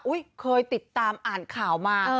เคยติดตามอ่านข่าวมา